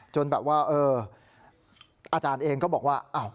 แบบว่าเอออาจารย์เองก็บอกว่า